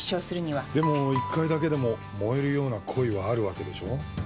でも一回だけでも燃えるような恋はあるわけでしょ？